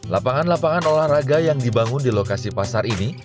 lapangan lapangan olahraga yang dibangun di lokasi pasar ini